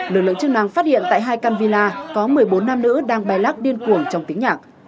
lực lượng chức năng phát hiện tại hai can villa có một mươi bốn nam nữ đang bay lắc điên cuồng trong tiếng nhạc